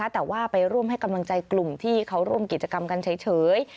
แต่ว่าไปร่วมให้กำลังใจกลุ่มที่เขาร่วมกิจกรรมกันเฉย